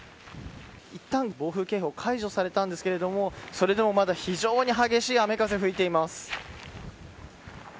いったん暴風警報解除されたんですけどもそれでも、まだ非常に激しい雨、風吹いています。